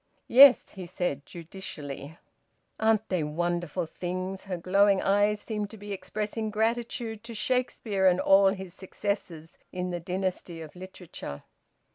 "Yes," he said judicially. "Aren't they wonderful things?" Her glowing eyes seemed to be expressing gratitude to Shakespeare and all his successors in the dynasty of literature.